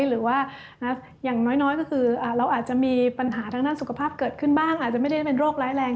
หรือว่าอย่างน้อยก็คือเราอาจจะมีปัญหาทางด้านสุขภาพเกิดขึ้นบ้างอาจจะไม่ได้เป็นโรคร้ายแรง